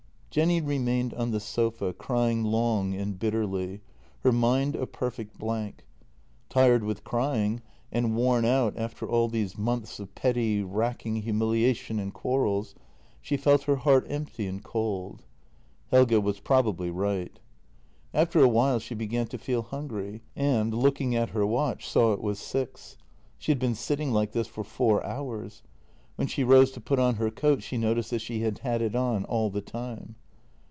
Jenny remained on the sofa crying long and bitterly — her mind a perfect blank. Tired with crying, and worn out after all these months of petty, racking humiliation and quarrels, she felt her heart empty and cold. Helge was probably right. After a while she began to feel hungry, and, looking at her watch, saw it was six. She had been sitting like this for four hours. When she rose to put on her coat she noticed that she had had it on all the time.